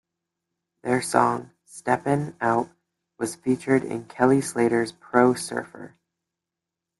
Their song "Steppin' Out" was featured in Kelly Slater's Pro Surfer.